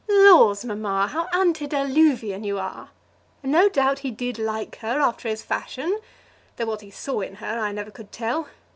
"Laws, mamma, how antediluvian you are! No doubt he did like her, after his fashion; though what he saw in her, I never could tell.